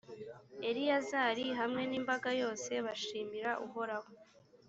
eleyazari hamwe n’imbaga yose bashimira uhoraho.